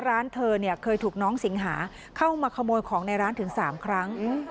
ร้านเธอเนี่ยเคยถูกน้องสิงหาเข้ามาขโมยของในร้านถึง๓ครั้ง